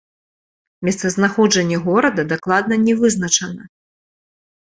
Месцазнаходжанне горада дакладна не вызначана.